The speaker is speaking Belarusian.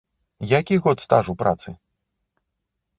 Які год стажу працы?